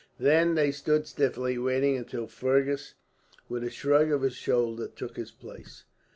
Then they stood, stiffly waiting, until Fergus, with a shrug of his shoulders, took his place.